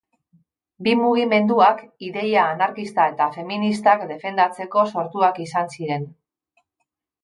Bi mugimenduak ideia anarkista eta feministak defendatzeko sortuak izan ziren.